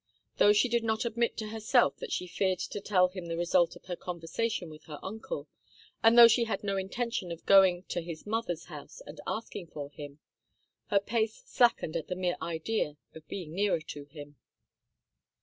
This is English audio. Though she did not admit to herself that she feared to tell him the result of her conversation with her uncle, and though she had no intention of going to his mother's house and asking for him, her pace slackened at the mere idea of being nearer to him.